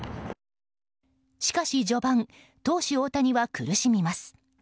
しかし序盤投手・大谷は苦しみます。